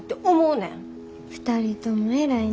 ２人とも偉いなぁ。